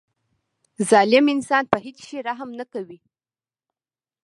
ظالم انسان په هیڅ شي رحم نه کوي.